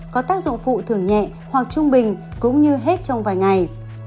có tác dụng phụ thường nhẹ hoặc trung bình cũng như hết trong vài ngày